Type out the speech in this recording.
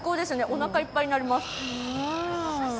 おなかいっぱいになります。